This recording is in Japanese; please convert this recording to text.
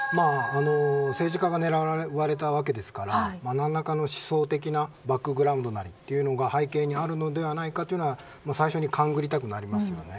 政治家が狙われたわけですから何らかの思想的なバックグラウンドなりが背景にあるのではないかというのは最初に勘ぐりたくなりますよね。